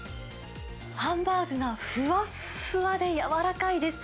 ハンバーグがふわっふわで、柔らかいです。